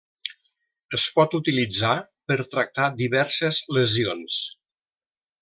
Es pot utilitzar per tractar diverses lesions.